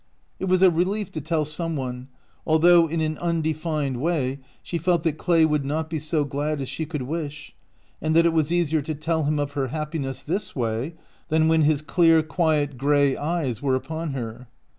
It was a relief to tell some one, although in an undefined way she felt that Clay would not be so glad as she could wish, and that it was easier to tell him of her happiness this way than when his clear, quiet gray eyes were upon her.